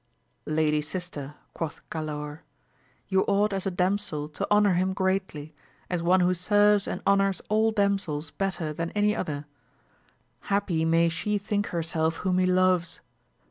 Lady sister, quoth Galaor, you ought as a damsel to honour him greatly, as. one who serves and honours all damsels better than any other ; happy may she think herself whom he loves